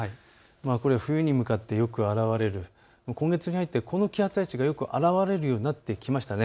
冬に向かってよく現れる、今月に入ってこの気圧配置がよく現れるようになってきましたね。